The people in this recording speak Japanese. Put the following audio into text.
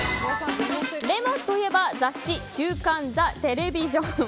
レモンといえば雑誌週刊「ザテレビジョン」。